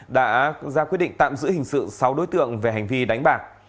đã ra quyết định tạm giữ hình sự sáu đối tượng về hành vi đánh bạc